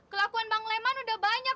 kelakuan bang leman udah banyak